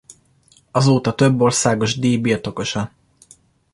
Azóta több országos díj birtokosa.